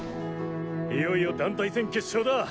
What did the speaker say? いよいよ団体戦決勝だ！